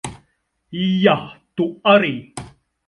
Jā, tu arī.